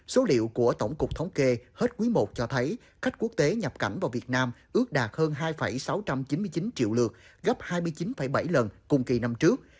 số liệu của tổng cục thống kê hết quý i cho thấy khách quốc tế nhập cảnh vào việt nam ước đạt hơn hai sáu trăm chín mươi chín triệu lượt gấp hai mươi chín bảy lần cùng kỳ năm trước